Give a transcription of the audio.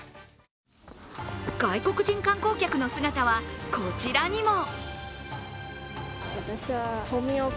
外国人観光客の姿はこちらにも。